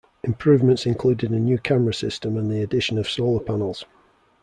Improvements included a new camera system and the addition of solar panels.